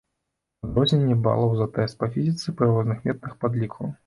Адрозненне балаў за тэст па фізіцы пры розных метадах падліку.